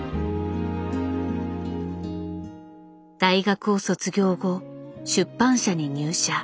大学を卒業後出版社に入社。